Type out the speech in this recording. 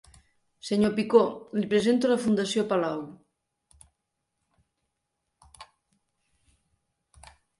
Senyor Picó, li presento la Fundació Palau.